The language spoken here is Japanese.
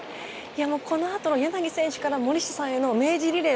このあとの柳選手から森下さんへのリレー